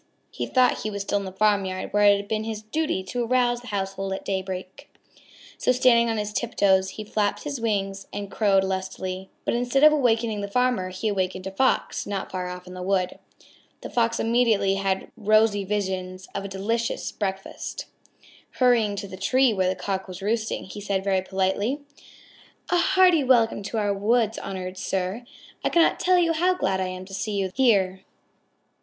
He thought he was still in the farmyard where it had been his duty to arouse the household at daybreak. So standing on tip toes he flapped his wings and crowed lustily. But instead of awakening the farmer, he awakened a Fox not far off in the wood. The Fox immediately had rosy visions of a very delicious breakfast. Hurrying to the tree where the Cock was roosting, he said very politely: "A hearty welcome to our woods, honored sir. I cannot tell you how glad I am to see you here.